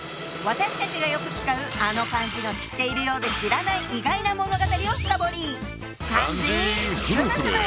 私たちがよく使うあの漢字の知ってるようで知らない意外な物語を深掘り！